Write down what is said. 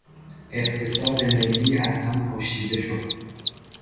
اقتصاد ملی از همپاشیده شد.